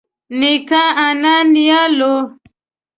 نيکه انا نيا لور